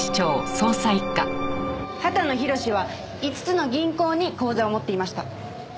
畑野宏は５つの銀行に口座を持っていました。